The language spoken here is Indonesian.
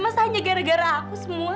masa hanya gara gara aku semua